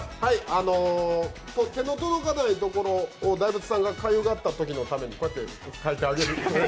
手の届かないところを大仏さんがかゆがったときのためにこうやって、かいてあげる。